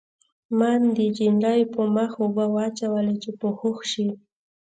ما د نجلۍ په مخ اوبه واچولې چې په هوښ شي